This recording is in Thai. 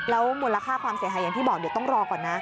แล้วมูลค่าความเสียหายอย่างที่บอกเดี๋ยวต้องรอก่อนนะ